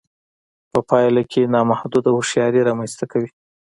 په پایله کې نامحدوده هوښیاري رامنځته کوي